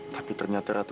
tapi ternyata ratu